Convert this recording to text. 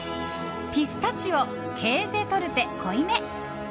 ピスタチオ・ケーゼ・トルテ濃いめ。